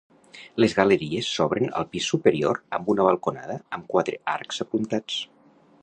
Les galeries s'obren al pis superior amb una balconada amb quatre arcs apuntats.